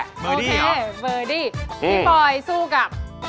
เบอร์ดี้เหรอโอเคเบอร์ดี้พี่ปลอยสู้กับ